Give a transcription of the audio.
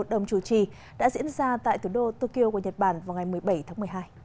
đồng chủ trì đã diễn ra tại thủ đô tokyo của nhật bản vào ngày một mươi bảy tháng một mươi hai